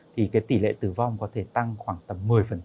thì cái tỷ lệ tử vong có thể tăng khoảng tầm một mươi